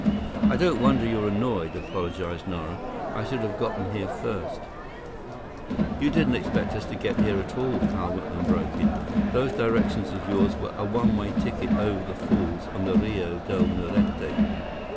"I don't wonder you're annoyed," apologized Nara. "I should have gotten here first—" "You didn't expect us to get here at all," Hal Whitman broke in. "Those directions of yours were a one way ticket over the falls on the Rio Del Muerte!"